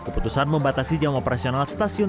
keputusan membatasi jam operasional stasiun